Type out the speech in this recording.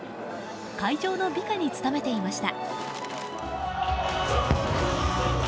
会場の美化に努めていました。